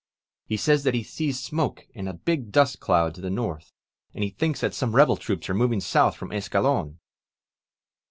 He says that he sees smoke and a big dust cloud to the north, and thinks that some rebel troops are moving south from Escalon